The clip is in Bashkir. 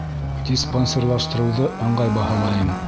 Диспансерлаштырыуҙы ыңғай баһалайым.